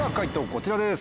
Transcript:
こちらです。